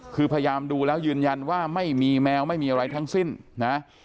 คือพยายามดูแล้วยืนยันว่าไม่มีแมวไม่มีอะไรทั้งสิ้นนะ